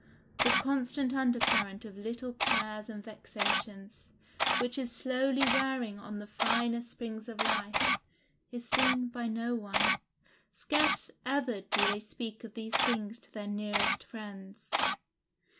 The constant under current of little cares and vexations, which is slowly wearing on the finer springs of life, is seen by no one; scarce ever do they speak of these things to their nearest friends.